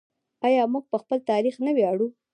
آیا موږ په خپل تاریخ نه ویاړو؟